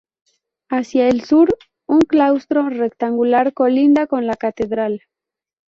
Hacia el sur, un claustro rectangular colinda con la catedral.